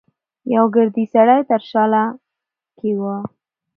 يوه ګردي سړی تراشله کې و.